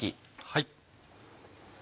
はい。